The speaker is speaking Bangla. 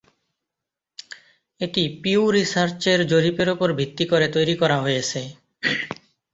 এটি পিউ রিসার্চের জরিপের উপর ভিত্তি করে তৈরি করা হয়েছে।